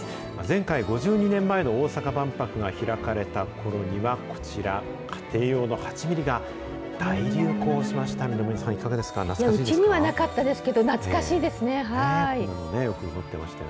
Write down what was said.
前回・５２年前の大阪万博が開かれたころにはこちら、家庭用の８ミリが大流行しました。